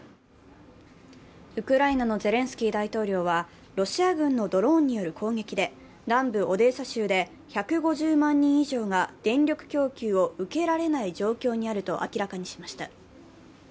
ウクライナのゼレンスキー大統領はロシア軍のドローンによる攻撃で、南部オデーサ州で１５０万人以上が電力供給を受けられない状況にあると明らかにしました。